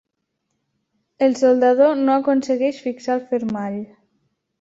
El soldador no aconsegueix fixar el fermall.